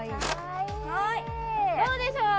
どうでしょう？